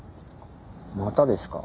またですか？